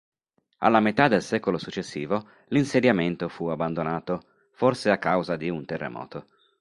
Alla metà del secolo successivo l'insediamento fu abbandonato, forse a causa di un terremoto.